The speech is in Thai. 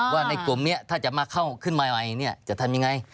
ว่าในกลุ่มนี้ถ้าจะมาเข้าขึ้นมาใหม่จะทำยังไง